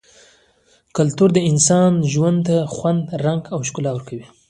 کلتور د انسان ژوند ته خوند ، رنګ او ښکلا ورکوي -